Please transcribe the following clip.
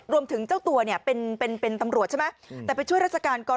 รวมถึงเจ้าตัวเนี่ยเป็นตำรวจใช่มะแต่ไปช่วยราชการกรรมนร์